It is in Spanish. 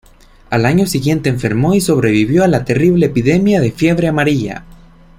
Al año siguiente enfermó y sobrevivió a la terrible epidemia de fiebre amarilla.